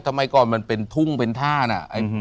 สมัยก่อนมันเป็นทุ่งเป็นท่าน่ะ